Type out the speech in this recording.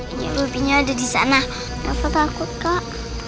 iya babinya ada di sana kenapa takut kak